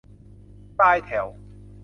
ปลายแถว